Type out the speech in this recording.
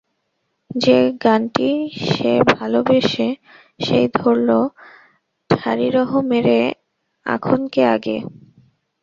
যে গানটি সে ভালোবাসে সেই ধরল, ঠাড়ি রহো মেরে আঁখনকে আগে।